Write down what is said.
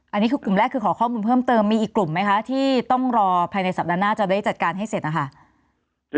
อันนี้คือกลุ่มแรกคือขอข้อมูลเพิ่มเติมมีอีกกลุ่มไหมคะที่ต้องรอภายในสัปดาห์หน้าจะได้จัดการให้เสร็จนะคะ